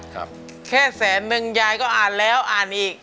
แค่แสนนึงยายก็อ่านแล้วอ่านอีก